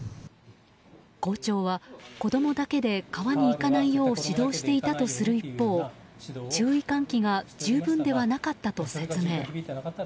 校長は子供だけで川に行かないよう指導していたとする一方注意喚起が十分ではなかったと説明。